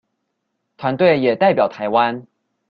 團隊也代表臺灣